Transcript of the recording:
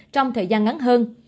trong thời gian ngắn hơn